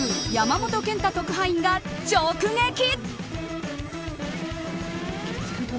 山本賢太特派員が直撃。